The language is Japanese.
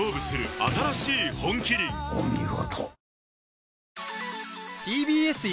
お見事。